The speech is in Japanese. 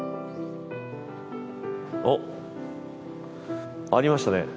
おっありましたね。